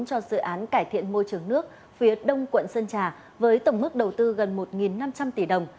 cho dự án cải thiện môi trường nước phía đông quận sơn trà với tổng mức đầu tư gần một năm trăm linh tỷ đồng